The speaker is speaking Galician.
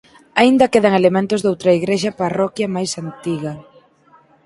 Aínda quedan elementos doutra igrexa parroquia máis antiga.